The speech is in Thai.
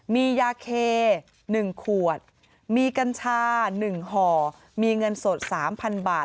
มียาเค๑ขวดมีกัญชา๑ห่อมีเงินสด๓๐๐๐บาท